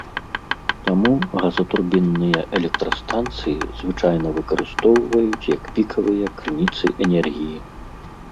Таму газатурбінныя электрастанцыі звычайна выкарыстоўваюць як пікавыя крыніцы энергіі.